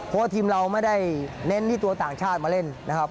เพราะว่าทีมเราไม่ได้เน้นที่ตัวต่างชาติมาเล่นนะครับ